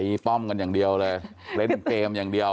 มีป้อมกันอย่างเดียวเลยเล่นเกมอย่างเดียว